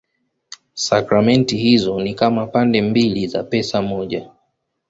Sakramenti hizo ni kama pande mbili za pesa moja.